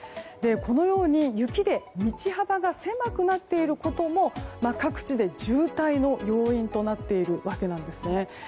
このように、雪で道幅が狭くなっていることも各地で渋滞の要因となっているわけなんですね。